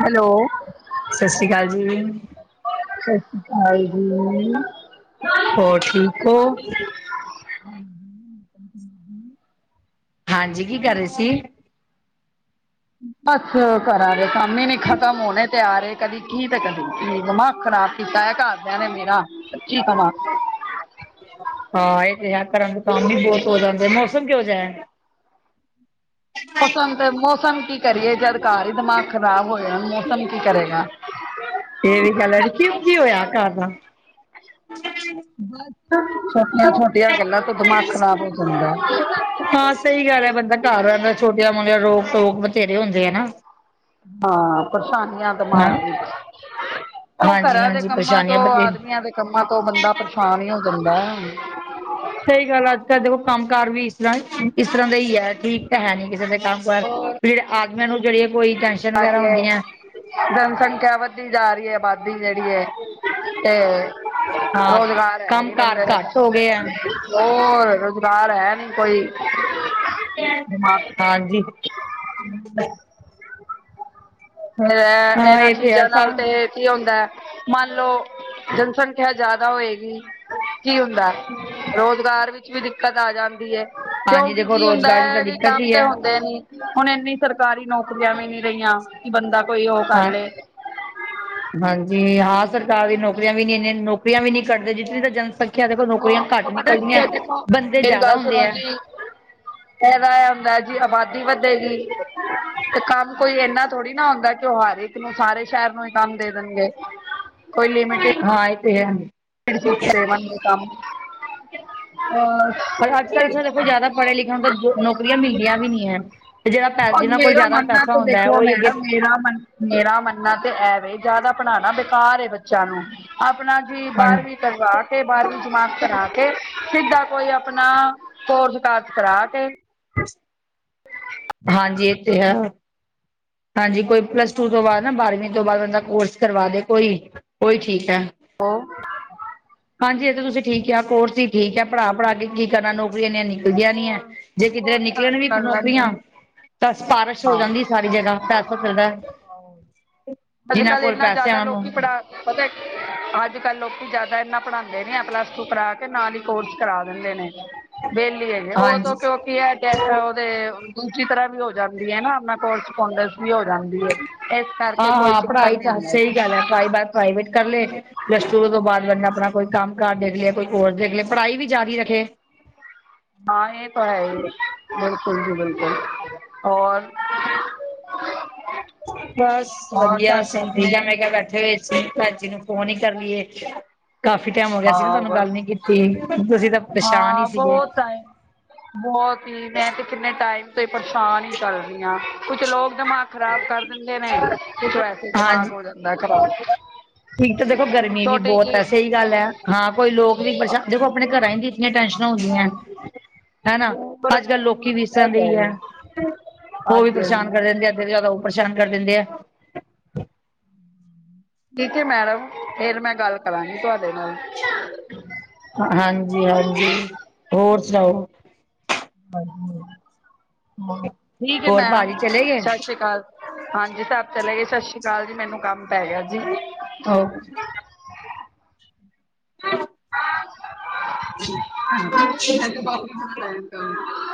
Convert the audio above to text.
Hello ਸਤਿ ਸ੍ਰੀ ਅਕਾਲ ਜੀ ਸਤਿ ਸ਼੍ਰੀ ਅਕਾਲ ਜੀ ਹੋਰ ਠੀਕ ਹੋ? ਹਾਂਜੀ, ਕੀ ਕਰ ਰਹੇ ਸੀ? ਬਸ, ਕਰਾਂ ਦੇ ਕੰਮ ਹੀ ਨੀ ਖਤਮ ਹੋਣੇ ਤੇ ਆ ਰਹੇ। ਕਦੀ ਕੀ, ਤੇ ਕਦੀ ਕੀ, ਦਿਮਾਗ ਖ਼ਰਾਬ ਕੀਤਾ ਆ ਘਰਦਿਆਂ ਨੇ ਮੇਰਾ, ਸੱਚੀ ਕਵਾ। ਹਾਂ ਇਹ ਤੇ ਹੈ, ਘਰਾਂ ਦੇ ਕੰਮ ਵੀ ਬਹੁਤ ਹੋ ਜਾਂਦੇ, ਮੌਸਮ ਕਿਹੋ ਜਿਹਾ ਹੈ। ਪਸੰਦ ਤੇ, ਮੌਸਮ ਕੀ ਕਰੇ ਏ, ਜਾਦ ਘਾਰ ਹੀ ਦਿਮਾਗ ਖ਼ਰਾਬ ਹੋਯਾ, ਮੌਸਮ ਕੀ ਕਰੇਗਾ। ਇਹ ਵੀ ਗੱਲ ਹੈ, ਕਿਉ ਕੀ ਹੋਇਆ ਘਰ ਦਾ ਬਸ ਛੋਟੀਆਂ, ਛੋਟੀਆਂ ਗੱਲਾਂ ਤੋਂ ਦਿਮਾਗ ਖਰਾਬ ਹੋ ਜਾਂਦਾ। ਹਾਂ ਸਹੀ ਗੱਲ ਹੈ, ਬੰਦਾ ਘਰ ਰਹਦਾ, ਛੋਟੀਆਂ ਮੋਟੀਆਂ ਰੋਕ ਟੋਕ ਵਥੇਰੇ ਹੁੰਦੇ ਹੈ। ਹਾਂ ਪਰੇਸ਼ਾਨੀਆਂ ਦਿਮਾਗ ਹਾਂ, ਵਿਚ, ਉਹ ਹਾਂਜੀ ਘਰਾਂ ਦੇ ਹਾਂਜੀ, ਕੰਮਾਂ ਪਰੇਸ਼ਾਨੀਆਂ ਤੋਂ ਬਥੇਰੀ ਆਦਮੀਆਂ ਦੇ ਕੰਮਾਂ ਤੋਂ ਬੰਦਾ ਪਰੇਸ਼ਾਨ ਹੀ ਹੋ ਜਾਂਦਾ। ਸਹੀ ਗੱਲ ਹੈ, ਅੱਜ ਕ੍ਹ ਦੇਖੋ ਕੰਮ ਕਾਰ ਵੀ ਇਸ ਤਰ੍ਹਾਂ ਇਸ ਤਰ੍ਹਾਂ ਦੇ ਹੀ ਹੈ। ਠੀਕ ਤਾਂ ਹੈ ਨੀ, ਕਿਸੇ ਦੇ ਕੰਮ ਕਾਰ, ਫਿਰ ਆਦਮੀਆਂ ਨੂੰ ਜਿਹੜੀ ਹੈ ਕੋਈ ਟ ਜਾ ਰਹੀ ਹੈ, ਜਨਸੰਖਿਆ ਵੱਧਦੀ ਜਾ ਰਹੀ ਹੈ, ਆਬਾਦੀ ਜਿਹੜੀ ਹੈ। ਤੇ, ਹਾਂ, ਰੋਜ਼ਗਾਰ ਹੈ ਕੰਮ ਨੀ ਕਾਰ ਬੰਦੇ ਦਾ ਘੱਟ ਹੋ ਤਾਂ ਗਏ ਆ, ਹੋਰ ਰੋਜ਼ਗਾਰ ਹੈ ਨੀ ਕੋਈ, ਦਿਮਾਗ [inaudible] ਹਾਂਜੀ ਫੇਰ ਹਾਂ ਇਹਨਾਂ ਇਹ ਤੇ ਚੀਜ਼ਾਂ ਨਾਲ ਹੈ ਤੇ ਕੀ ਹੁੰਦਾ, ਮੰਨ ਲਓ ਜਨਸੰਖਿਆ ਜਿਆਦਾ ਹੋਏਗੀ। ਕੀ ਹੁੰਦਾ, ਰੋਜ਼ਗਾਰ ਵਿੱਚ ਵੀ ਦਿੱਕਤ ਆ ਜਾਂਦੀ ਹੈ। ਕਿਉਂਕਿ ਕੀ ਹੁੰਦਾ ਹੈ, ਵੀ ਕੰਮ ਤੇ ਹੁੰਦੇ ਨੀ ਹੁਣ ਇੰਨੀ ਸਰਕਾਰੀ ਨੌਕਰੀਆਂ ਵੀ ਨਹੀਂ ਰਹੀਆਂ, ਕਿ ਬੰਦਾ ਕੋਈ ਉਹ ਕਰ ਲਏ। ਹਾਂਜੀ, ਹਾਂ ਸਰਕਾਰੀ ਨੌਕਰੀਆਂ ਵੀ ਨੀ ਇਨ ਨੌਕਰੀਆਂ ਵੀ ਨੀ ਕੱਢਦੇ, ਜਿਤਨੀ ਤਾਂ ਜਨਸੰਖਿਆ ਦੇਖੋ ਨੌਕਰੀਆਂ ਉਹ ਘੱਟ ਉਹ ਪਤਾ ਕੀ ਨਿਕਲਦੀਆਂ, ਹੈ ਦੇਖੋ ਬੰਦੇ ਜ਼ਿਆਦਾ ਹੁੰਦੇ ਹੈ। ਫੇਰ ਐ ਹੁੰਦਾ, ਜੀ ਆਬਾਦੀ ਵਧੇਗੀ, ਤੇ ਕੰਮ ਕੋਈ ਇੰਨਾ ਥੋੜੀ ਨਾ ਹੁੰਦਾ, ਕਿ ਉਹ ਹਰ ਇੱਕ ਨੂੰ, ਸਾਰੇ ਸ਼ਹਿਰ ਨੂੰ ਹੀ ਕੰਮ ਦੇ ਦੇਣਗੇ। ਕੋਈ ਲਿਮਿਟਡ ਹਾਂ ਇਹ ਤੇ ਹੈ। [unintelligible] ਔਰ ਪਰ ਅੱਜ ਕੱਲ੍ਹ ਦੇਖੋ ਜ਼ਿਆਦਾ ਪੜ੍ਹੇ ਲਿਖਣ, ਤੋਂ ਨੌਕਰੀਆਂ ਮਿਲਦੀਆਂ ਵੀ ਨਹੀਂ ਹੈ। ਤੇ ਜਿਹੜਾ ਪੈ, ਜਿਹਨਾਂ ਕੋਲ ਜ਼ਿਆਦਾ ਪੈਸਾ ਹੁੰਦਾ ਉਹਹੀ ਅੱਗੇ [unintelligible] ਕਿਆ ਮੇਰਾ ਮੰਨਣਾ ਤੇ ਐਵੇ ਜ਼ਿਆਦਾ ਪੜ੍ਹਾਉਣਾ ਬੇਕਾਰ ਬੱਚਿਆਂ ਨੂੰ ਆਪਣਾ ਜੀ। ਹਾਂ ਬਾਰ੍ਹਵੀਂ ਕਰਵਾ ਕੇ ਬਾਰ੍ਹਵੀਂ ਜਮਾਤ ਕਰਾ ਕੇ ਸਿੱਧਾ ਕੋਈ ਆਪਣਾ ਕੋਰਸ ਕਾਰਸ ਕਰਾ ਕੇ ਹਾਂਜੀ ਇਹ ਤੇ ਹੈ। ਹਾਂਜੀ, ਕੋਈ ਪਲੱਸ ਟੂ ਤੋਂ ਬਾਅਦ ਨਾ ਬਾਰਵੀਂ ਤੋਂ ਬਾਅਦ ਬੰਦਾ ਕੋਰਸ ਕਰਵਾ ਦੇ ਕੋਈ ਉਹੀ ਠੀਕ ਹੈ। ਹਾਂ ਹਾਂਜੀ ਇਹ ਤਾਂ ਤੁਸੀਂ ਠੀਕ ਆ ਕੋਰਸ ਹੀ ਠੀਕ ਹੈ, ਪੜ੍ਹਾ, ਪੜ੍ਹਾ ਕੇ ਕੀ ਕਰਨਾ ਨੌਕਰੀ ਇਨੀਆਂ ਹੇਨੀ। ਗਿਆ ਨੀ ਹੈ, ਹੋਰ ਜੇ ਕਿਧਰੇ ਕੋਰਸ ਨਿਕਲਣ ਕਾਰਸ ਵੀ ਕਰ ਨੌਕਰੀਆਂ ਲੈਂਦੇ ਤਾਂ ਸਿਫਾਰਸ਼ ਹੋ ਹਾਂ ਜਾਂਦੀ ਸਾਰੀ ਜਗ੍ਹਾ। ਪੈਸਾ ਚਲਦਾ ਅੱਜ ਜਿਨਾਂ ਕੱਲ ਕੋਲ ਇੰਨਾ ਪੈਸੇ ਜ਼ਿਆਦਾ ਆਉਣ ਲੋਕੀ ਪੜ੍ਹਾ ਪਤਾ ਅੱਜ ਕੱਲ ਲੋਕੀ ਜਿਆਦਾ ਇਨਾ ਪੜ੍ਹਾਉਂਦੇ ਨੀ ਹੈ, ਪਲੱਸ ਟੂ ਕਰਾ ਕੇ ਨਾਲ ਹੀ ਕੋਰਸ ਕਰਾ ਦਿੰਦੇ ਨੇ ਵਿਹਲੀ ਹੈਗੇ ਉਹ ਤੋਂ ਹਾਂਜੀ ਕਿਉਂਕਿ ਹੈ, ਉਹਦੇ ਦੂਸਰੀ ਤਰ੍ਹਾਂ ਵੀ ਉਹ ਜਾਂਦੀ ਹੈ, ਨਾ ਆਪ ਕੋਰਸ ਪੋਡਸ ਵੀ ਹੋ ਜਾਂਦੀ ਹੈ। ਕਰਕੇ ਆਹ ਕੋਈ ਹਾਂ ਚੱਕਰ ਪੜ੍ਹਾਈ ਨਹੀਂ ਤਾਂ ਹੁੰਦਾ ਸਹੀ ਗੱਲ ਹੈ, ਪੜ੍ਹਾਈ ਬਸ ਪ੍ਰਾਈਵੇਟ ਕਰ ਲਏ। ਪਲੱਸ ਟੂ ਤੋਂ ਬਾਅਦ ਆਪਣਾ ਕੋਈ ਕੰਮ ਕਾਰਜ ਦੇਖ ਲਿਆ, ਕੋਈ ਕੋਰਸ ਦੇਖ ਲਿਆ ਪੜ੍ਹਾਈ ਵੀ ਜਾਰੀ ਰੱਖੇ। ਹਾਂ ਇਹ ਤਾਂ ਹੈ ਹੀ, ਬਿਲਕੁਲ ਜੀ ਬਿਲਕੁਲ ਔਰ ਬਸ ਵਧੀਆ ਸਭ ਠੀਕ ਮੈਂ ਕਿਹਾ ਬੈਠੇ ਹੋਏ। ਮੈਂ ਕਿਹਾ ਭੈਣ ਜੀ ਨੂੰ ਫੋਨ ਹੀ ਕਰ ਲਈਏ। ਕਾਫੀ ਟਾਈਮ ਹੋ ਗਿਆ ਸੀਗਾ ਹਾਂ ਤੁਹਾਨੂੰ ਗੱਲ ਬਸ ਨਹੀਂ ਕੀਤੀ ਤੁਸੀਂ ਤਾਂ ਪਰੇਸ਼ਾਨ ਹਾਂ ਬਹੁਤ ਟਾਈਮ ਬਹੁਤ ਹੀ ਮੈਂ ਤੇ ਕਿੰਨੇ ਟਾਈਮ ਤੇ ਪਰੇਸ਼ਾਨ ਹੀ ਕੁਛ ਲੋਕ ਦਿਮਾਗ ਖ਼ਰਾਬ ਕਰ ਦਿੰਦੇ ਨੇ ਕੁਛ ਵੈਸੇ ਦਿਮਾਗ ਹਾਂਜੀ ਹੋ ਜਾਂਦਾ ਖਰਾਬ ਦੇਖੋ ਗਰਮੀ ਵੀ ਬਹੁਤ ਸਹੀ ਗੱਲ ਹ ਹਾਂ ਕੋਈ ਲੋਕ ਵੀ ਆਪਣੇ ਘਰਾਂ ਹੋ ਗਈਆਂ ਉਮਰ ਅੱਜ ਕੱਲ ਲੋਕੀ ਵੇਸ ਇਹ ਤਾਂ ਹੈ ਰਹੀ ਹੀ ਹ ਉਹ ਵੀ ਹਾਂਜੀ ਪਰੇਸ਼ਾਨ ਕਰ ਹਾਂਜੀ ਰਹਿੰਦੇ ਰਹਿੰਦੇ ਉਹ ਪਰੇਸ਼ਾਨ ਕਰ ਦਿੰਦੇ। ਠੀਕ ਹੈ ਮੈਡਮ ਫਿਰ ਮੈਂ ਗੱਲ ਕਰਾਂਗੀ ਤੁਹਾਡੇ ਹਾਂਜੀ ਹਾਂਜੀ ਹੋਰ ਸੁਣਾਓ ਠੀਕ ਹ ਹੋਰ ਮੈਡਮ ਭਾਜੀ ਚਲੇ ਗਏ ਸਤਿ ਸ਼੍ਰੀ ਅਕਾਲ ਹਾਂਜੀ ਸਭ ਚਲੇ ਗਏ ਸਤਿ ਸ੍ਰੀ ਅਕਾਲ ਜੀ ਮੈਨੂੰ ਕੰਮ ਪੈ ਗਿਆ ਜੀ ਆ ਹਾਂ ਬ